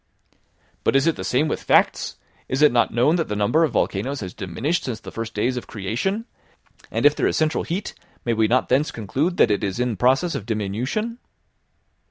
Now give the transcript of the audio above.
"But is it the same with facts! Is it not known that the number of volcanoes has diminished since the first days of creation? and if there is central heat may we not thence conclude that it is in process of diminution?"